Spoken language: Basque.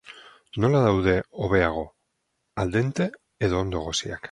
Nola daude hobeago, al dente edo ondo egosiak?